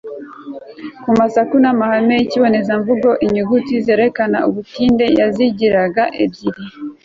ku masaku n'amahame y'ikibonezamvugo. inyuguti zerekana ubutinde yazigiraga ebyiri